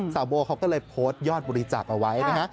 โบเขาก็เลยโพสต์ยอดบริจาคเอาไว้นะฮะ